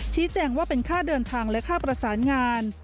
ชี้แจงว่าเป็นค่าเดินทางและค่าประสานงาน